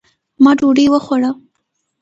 ما ډوډۍ وخوړه